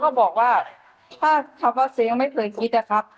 เขาก็บอกว่าถ้าเขาฟังเสียงไม่เคยคิดนะครับ